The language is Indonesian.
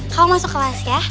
kamu masuk kelas ya